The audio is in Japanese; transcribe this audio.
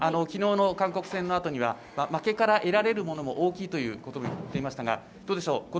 きのうの韓国戦のあとには負けから得られるものも大きいということも言っていましたがどうでしょう